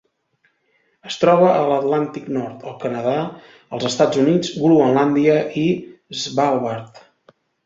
Es troba a l'Atlàntic nord: el Canadà, els Estats Units, Groenlàndia i Svalbard.